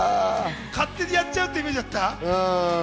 勝手にやっちゃうっていうイメージだった。